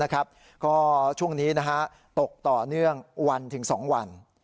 ก็ช่วงนี้ตกต่อเนื่องวันถึง๒วัน